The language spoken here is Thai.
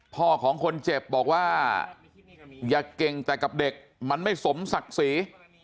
ของคนเจ็บบอกว่าอย่าเก่งแต่กับเด็กมันไม่สมศักดิ์ศรี